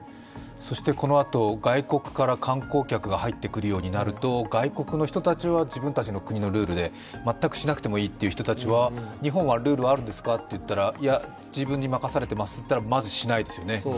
そして、このあと、外国から観光客が入ってくるようになると外国の人たちは、自分たちの国のルールで全くしなくてもいいという人たちは、日本はルールがあるんですかと聞かれたらいや、自分に任されていますといったら、まずしないですよね。